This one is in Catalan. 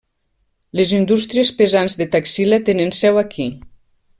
Les indústries pesants de Taxila tenen seu aquí.